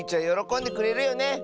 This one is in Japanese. よろこんでくれるよね。